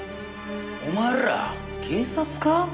お前ら警察か？